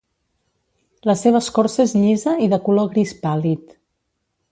La seva escorça és llisa i de color gris pàl·lid.